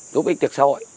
giúp ích tiệc xã hội